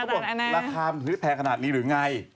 ก็บอกราคาที่จะแพงขนาดนี้หรือไง